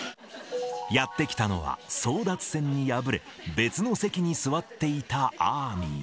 やって来たのは、争奪戦に敗れ、別の席に座っていたアーミー。